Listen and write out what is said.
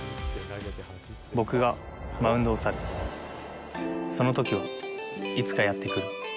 僕がマウンドを去る、その時はいつかやってくる。